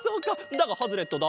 だがハズレットだ！